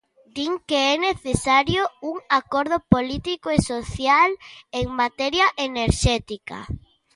Din que é necesario un acordo político e social en materia enerxética.